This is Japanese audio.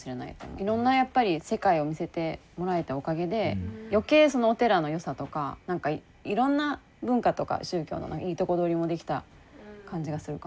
いろんなやっぱり世界を見せてもらえたおかげで余計お寺の良さとかいろんな文化とか宗教のいいとこ取りもできた感じがするかな。